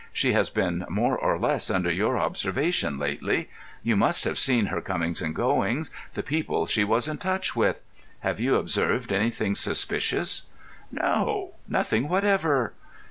She has been more or less under your observation lately. You must have seen her comings and goings—the people she was in touch with. Have you observed anything suspicious?" "No; nothing whatever."